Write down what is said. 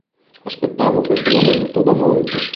Aspettavo questo momento da molto".